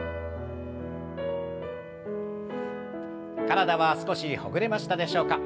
体は少しほぐれましたでしょうか？